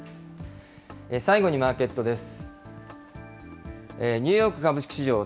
最後にマーケットです。